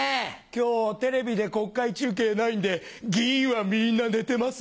今日はテレビで国会中継ないんで議員はみんな寝てますよ。